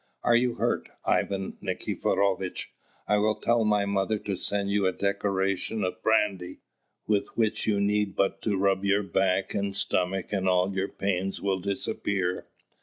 "Are you hurt, Ivan Nikiforovitch? I will tell my mother to send you a decoction of brandy, with which you need but to rub your back and stomach and all your pains will disappear."